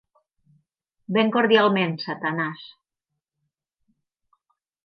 Ben cordialment, Satanàs.